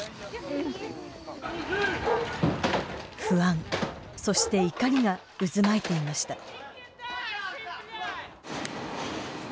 不安、そして怒りが渦巻いていました。